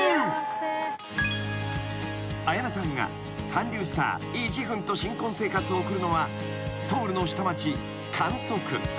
［彩音さんが韓流スターイ・ジフンと新婚生活を送るのはソウルの下町］